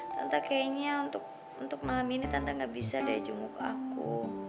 tante kayaknya untuk malam ini tanta gak bisa daya jenguk aku